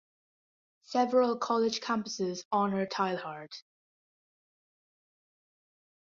Several college campuses honor Teilhard.